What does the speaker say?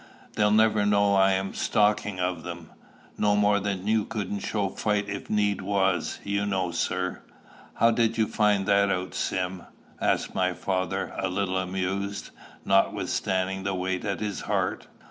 They'll never know I'm a stalking of them. No more you couldn't show fight if need was, you know, sir." "How did you find that out, Sim?" asked my father, a little amused, notwithstanding the weight at his heart.